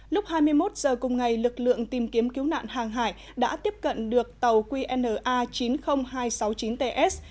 lúc hai mươi một giờ cùng ngày lực lượng tìm kiếm cứu nạn hàng hải đã tiếp cận được tàu qna chín mươi nghìn hai trăm sáu mươi chín ts